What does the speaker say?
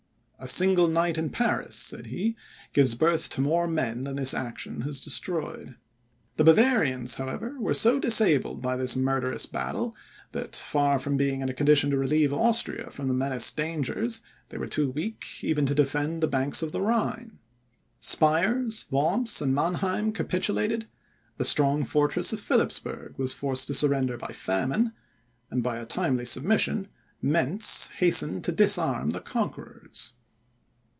"A single night in Paris," said he, "gives birth to more men than this action has destroyed." The Bavarians, however, were so disabled by this murderous battle, that, far from being in a condition to relieve Austria from the menaced dangers, they were too weak even to defend the banks of the Rhine. Spires, Worms, and Manheim capitulated; the strong fortress of Philipsburg was forced to surrender by famine; and, by a timely submission, Mentz hastened to disarm the conquerors.